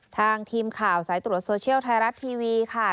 ทางทีมข่าวสายตรวจโซเชียลไทยรัฐทีวีค่ะ